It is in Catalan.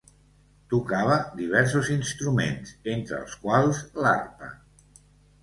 Tocava diversos instruments, entre els quals l'arpa.